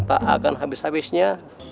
tak akan habis habisnya